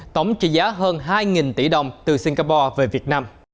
tổng trị giá hơn hai tỷ đồng từ singapore về việt nam